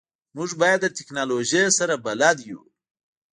موږ باید د تکنالوژی سره بلد وو